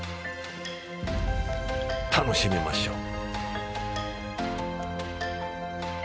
楽しみましょう。